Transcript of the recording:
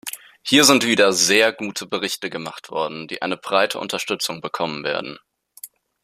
Hier sind wieder sehr gute Berichte gemacht worden, die eine breite Unterstützung bekommen werden.